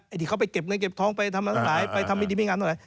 ไอ้ที่เขาไปเก็บเงินเก็บท้องไปทำทั้งหลายไปทำวิธีมีงานทั้งหลาย